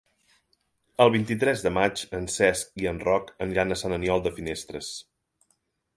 El vint-i-tres de maig en Cesc i en Roc aniran a Sant Aniol de Finestres.